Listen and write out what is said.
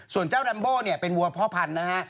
ส่วนเจ้าแรมโบ้เนี่ยเป็นวัวพ่อพันธุ์นะฮะ